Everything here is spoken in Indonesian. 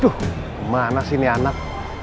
tuh kemana sih ini anak